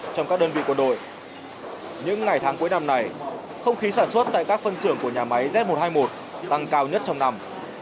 trong các đơn vị quân đội những ngày tháng cuối năm này không khí sản xuất tại các phân xưởng của nhà máy z một trăm hai mươi một tăng cao nhất trong năm